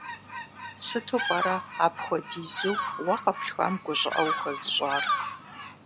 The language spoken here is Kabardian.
Сыту пӀэрэ апхуэдизу уэ къэплъхуам гу щӀыӀэ ухуэзыщӀар?